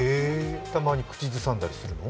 たまに口ずさんだりするの？